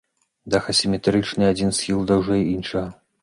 Дах асіметрычны, адзін схіл даўжэй іншага.